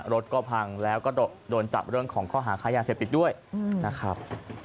รถก็พังแล้วก็โดนจับเรื่องของข้อหาค้ายาเสพติดด้วยนะครับ